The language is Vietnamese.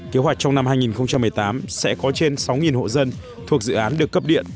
kế hoạch trong năm hai nghìn một mươi tám sẽ có trên sáu hộ dân thuộc dự án được cấp điện